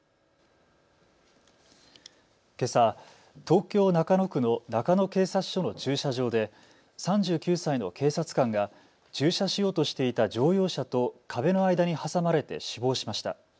けさ、東京中野区の中野警察署の駐車場で３９歳の警察官が駐車しようとしていた乗用車と壁の間に挟まれて死亡しました。